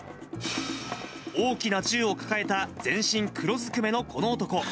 大きな銃を抱えた、全身黒ずくめのこの男。